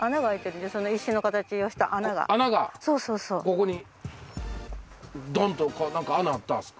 ここにドンと穴あったんすか？